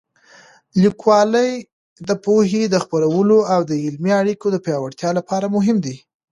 لیکوالی د پوهې د خپرولو او د علمي اړیکو د پیاوړتیا لپاره مهم دی.